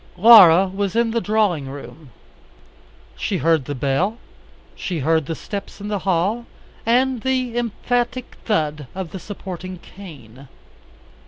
Laura was in the drawing room. She heard the bell, she heard the steps in the hall, and the emphatic thud of the supporting cane.